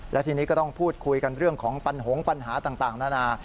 และทีนี้ก็ต้องพูดคุยกันเรื่องของปัญหาต่างนานา